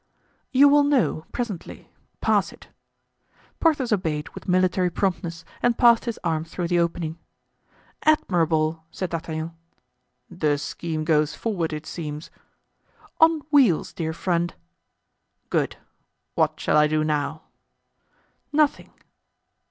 "You will know presently—pass it." Porthos obeyed with military promptness and passed his arm through the opening. "Admirable!" said D'Artagnan. "The scheme goes forward, it seems." "On wheels, dear friend." "Good! What shall I do now?" "Nothing."